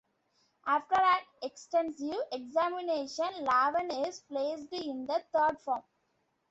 After an extensive examination Lavan is placed in the Third Form.